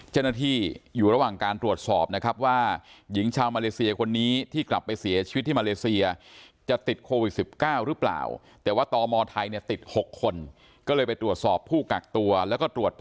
เจ้าหน้าที่อยู่ระหว่างการตรวจสอบนะครับว่าหญิงชาวมาเลเซียคนนี้ที่กลับไปเสียชีวิตที่มาเลเซียจะติดโควิด๑๙หรือเปล่าแต่ว่าตมไทยเนี่ยติด